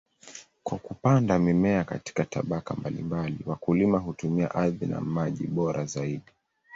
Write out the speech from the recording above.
Kwa kupanda mimea katika tabaka mbalimbali, wakulima hutumia ardhi na maji bora zaidi.